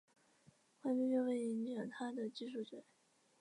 关闭并不影响它的计数值。